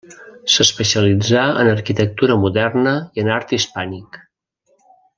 S'especialitzà en arquitectura moderna i en art hispànic.